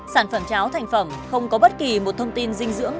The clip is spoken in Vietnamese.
sản phẩm cháo thành phẩm không có bất kỳ một thông tin dinh dưỡng